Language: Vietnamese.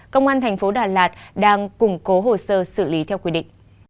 công an thành phố đà lạt đang củng cố hồ sơ xử lý theo quy định